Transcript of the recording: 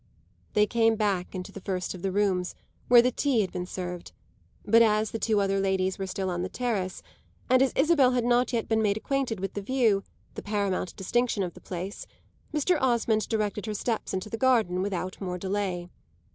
They came back into the first of the rooms, where the tea had been served; but as the two other ladies were still on the terrace, and as Isabel had not yet been made acquainted with the view, the paramount distinction of the place, Mr. Osmond directed her steps into the garden without more delay.